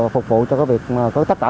phục vụ cho việc có tất cả